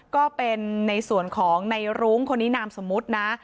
ก็เป็นในส่วนของในรุ้งคนนี้นามสมมุตินะ